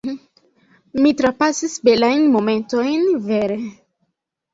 mi trapasis belajn momentojn, vere!